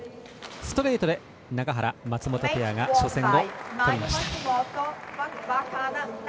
ストレートで永原、松本ペアが初戦をとりました。